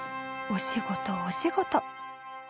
お仕事お仕事。